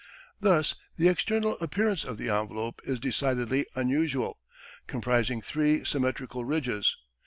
Thus the external appearance of the envelope is decidedly unusual, comprising three symmetrical ridges.